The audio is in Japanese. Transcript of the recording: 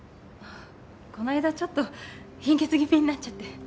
この間ちょっと貧血気味になっちゃって。